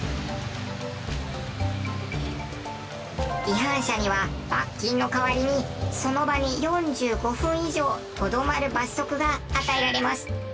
違反者には罰金の代わりにその場に４５分以上とどまる罰則が与えられます。